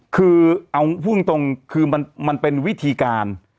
คือเอาพูดตรงคือมันเป็นวิธีการ